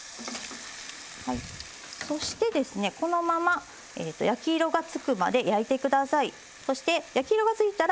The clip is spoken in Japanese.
そして、このまま焼き色がつくまで焼いてください。